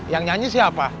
yang nyanyi siapa